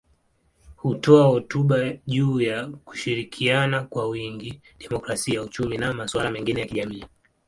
Hutoa hotuba juu ya kushirikiana kwa wingi, demokrasia, uchumi na masuala mengine ya kijamii.